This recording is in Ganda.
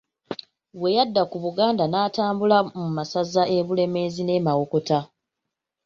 Bwe yadda ku Buganda n'atambula mu masaza e Bulemeezi ne Mawokota.